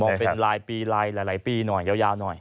เป็นรายปีลายหลายปีหน่อยยาวหน่อย